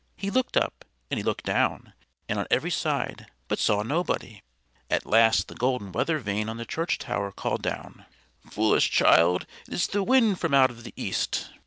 He looked up, and he looked down, and on every side, but saw nobody! At last the golden weather vane on the church tower called down: "Foolish child, it is the wind from out of the east."